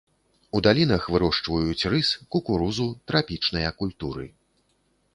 У далінах вырошчваюць рыс, кукурузу, трапічныя культуры.